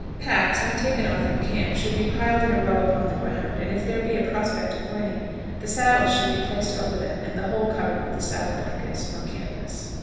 Packs, when taken off in camp, should be piled in a row upon the ground, and, if there be a prospect of rain, the saddles should be placed over them, and the whole covered with the saddle blankets or canvas.